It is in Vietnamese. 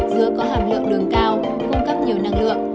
dứa có hàm lượng đường cao cung cấp nhiều năng lượng